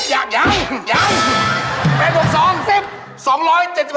ได้หรือเปล่านะอุ๊ย